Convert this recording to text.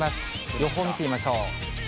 予報を見てみましょう。